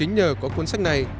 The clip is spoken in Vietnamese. tính nhờ có cuốn sách này